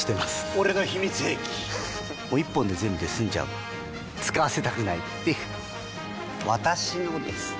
俺の秘密兵器１本で全部済んじゃう使わせたくないっていう私のです！